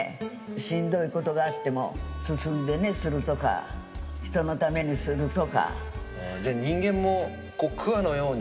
しんどいことがあっても進んでね、するとか、人間もくわのように。